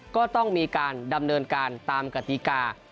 ก็ต้องมีการดำเนินการตามกติกา